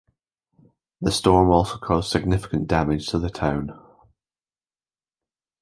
The storm also caused significant damage to the town.